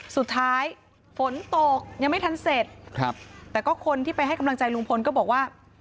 สุดท้ายฝนตกยังไม่ทันเสร็จครับแต่ก็คนที่ไปให้กำลังใจลุงพลก็บอกว่า